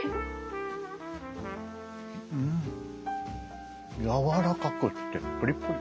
んやわらかくってプリプリ。